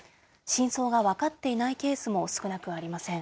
真相が分かっていないケースも少なくありません。